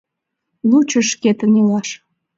— Лучо шкетын илаш.